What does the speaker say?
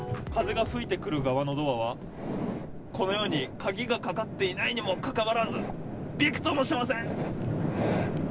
風が吹いてくる側のドアは、このように鍵がかかっていないにもかかわらず、びくともしません。